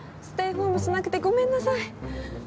ステイホームしなくてごめんなさい。